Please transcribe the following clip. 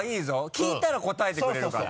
聞いたら答えてくれるから。